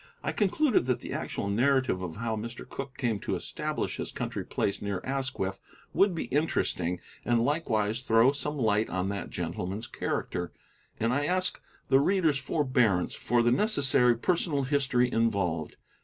I concluded that the actual narrative of how Mr. Cooke came to establish his country place near Asquith would be interesting, and likewise throw some light on that gentleman's character. And I ask the reader's forbearance for the necessary personal history involved.